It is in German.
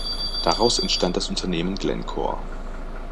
Daraus entstand das Unternehmen Glencore.